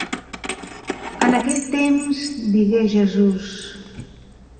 En aquell temps digué Jesús...